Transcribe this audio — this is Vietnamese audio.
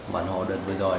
bản hồ đợt vừa rồi